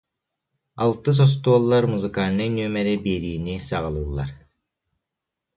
Алтыс остуоллар музыкальнай нүөмэри биэриини саҕалыыллар